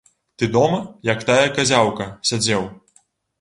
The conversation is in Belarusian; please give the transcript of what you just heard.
Ты дома, як тая казяўка, сядзеў.